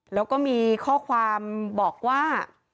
แล้วก็มีข้อความบอกว่า